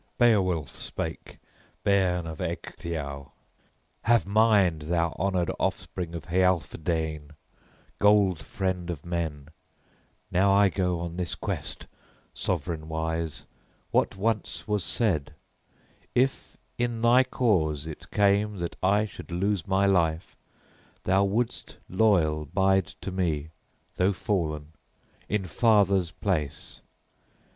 XXII BEOWULF spake, bairn of Ecgtheow: "Have mind, thou honored offspring of Healfdene gold friend of men, now I go on this quest, sovran wise, what once was said: if in thy cause it came that I should lose my life, thou wouldst loyal bide to me, though fallen, in father's place!